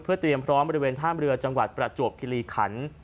เพื่อเตรียมพร้อมบริเวณท่าบริเวณจังหวัดประจวบคิรีขันต์